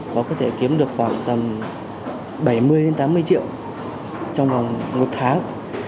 và có thể kiếm được khoảng tầm bảy mươi đến tám mươi triệu trong vòng một tháng